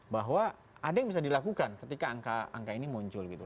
bahwa ada yang bisa dilakukan ketika angka angka ini muncul gitu